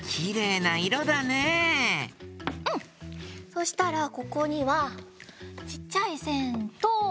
そしたらここにはちっちゃいせんと。